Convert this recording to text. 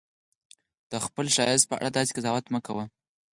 د خپلې ښکلا په اړه داسې قضاوت مه کوئ.